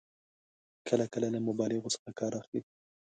کله کله له مبالغو څخه کار اخلي.